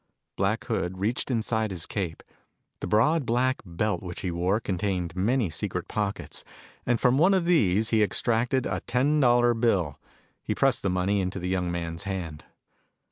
Black Hood reached inside his cape. The broad black belt which he wore contained many secret pockets, and from one of these he extracted a ten dollar bill. He pressed the money into the young man's hand.